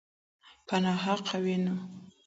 په ناحقه وینو